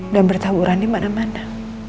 dan bertaburan dimana mana